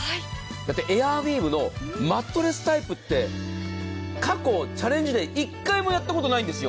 だってエアウィーヴのマットレスタイプって、過去チャレンジデー、１回もやったことないんですよ。